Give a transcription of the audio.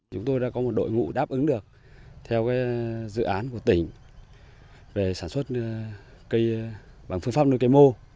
chúng tôi đã có một đội ngũ đáp ứng được theo dự án của tỉnh về sản xuất bằng phương pháp nuôi cây mô